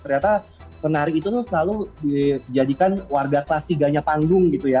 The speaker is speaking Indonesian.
ternyata penari itu selalu dijadikan warga kelas tiganya panggung gitu ya